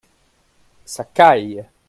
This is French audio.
Ça caille.